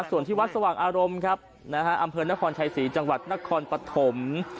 ส่วนที่วัดสว่างอารมณ์ครับนะฮะอำเภอนครชัยศรีจังหวัดนครปฐม